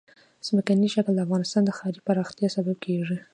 ځمکنی شکل د افغانستان د ښاري پراختیا سبب کېږي.